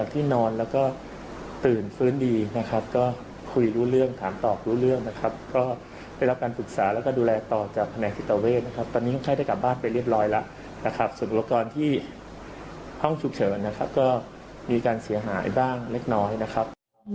ที่ห้องฉุกเฉินนะครับก็มีการเสียหายบ้างเล็กน้อยนะครับ